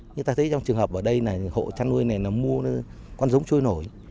như ta thấy trong trường hợp ở đây này hộ chăn nuôi này là mua con giống trôi nổi